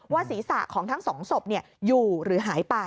ศีรษะของทั้งสองศพอยู่หรือหายไป